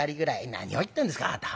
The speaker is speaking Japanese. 「何を言ってんですかあなた。